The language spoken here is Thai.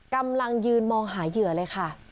กำลังยืนมองหาเหยื่อเลยค่ะ